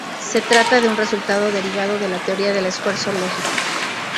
Se trata de un resultado derivado de la teoría del esfuerzo lógico.